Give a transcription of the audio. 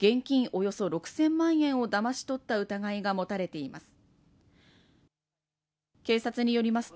およそ６０００万円をだまし取った疑いが持たれています。